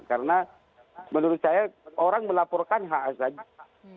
karena menurut saya orang melaporkan hak hak saja